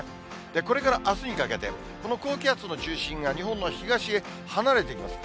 これからあすにかけて、この高気圧の中心が日本の東へ離れていきます。